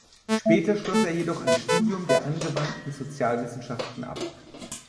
Später schloss er jedoch ein Studium der Angewandten Sozialwissenschaften ab.